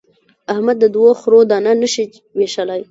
احمد د دوو خرو دانه نه شي وېشلای.